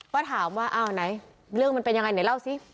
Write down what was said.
ก็ถามว่าอ้าวไหนเรื่องมันเป็นยังไงไหนเล่าสิ